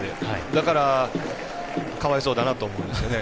だから、かわいそうだなと思うんですね。